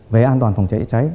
về an toàn phòng cháy cháy cháy